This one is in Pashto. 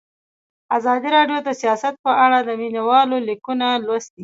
ازادي راډیو د سیاست په اړه د مینه والو لیکونه لوستي.